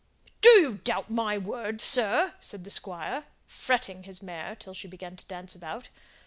"Do you doubt my word, sir?" said the Squire, fretting his mare till she began to dance about.